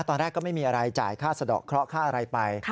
ตอนแรกก็ไม่มีอะไรจ่ายค่าสะดอกเคราะหค่าอะไรไป